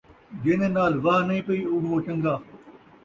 جین٘دے نال واہ نئیں پئی اوہو چن٘ڳا